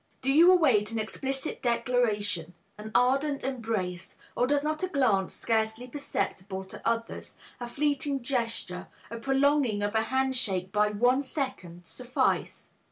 Do you await an explicit declaration, an ardent embrace, or does not a glance, scarcely perceptible to others, a fleeting gesture, the prolonging of a hand shake by one second, suffice?